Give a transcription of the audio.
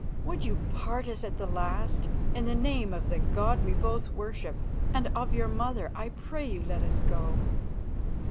Would you part us at the last? In the name of the God we both worship, and of your mother, I pray you let us go."